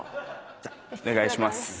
じゃお願いします。